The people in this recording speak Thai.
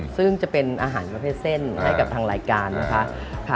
ซึ่งจะเป็นอาหารประเภทเส้นให้กับทางรายการนะคะ